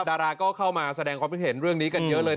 ดาราก็เข้ามาแสดงความคิดเห็นเรื่องนี้กันเยอะเลย